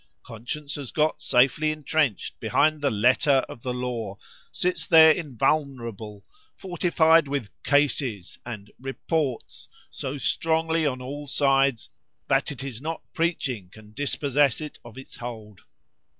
—Conscience has got safely entrenched behind the Letter of the Law; sits "there invulnerable, fortified with Cases and Reports so strongly on all sides;—that it is not preaching can dispossess it of its hold."